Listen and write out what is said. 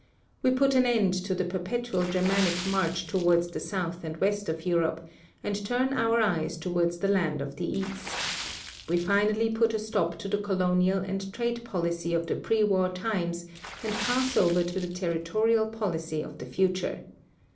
We put an end to the perpetual Germanic march towards the South and West of Europe, and turn our eyes towards the lands of the East. We finally put a stop to the colonial and trade policy of the pre war times, and pass over to the territorial policy of the future.